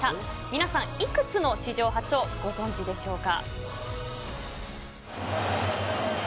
皆さん幾つの史上初をご存じでしょうか。